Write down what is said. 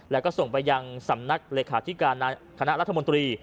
แล้วก็ส่งไปยังสำนักเลขาธิการคณะรัฐมนตรี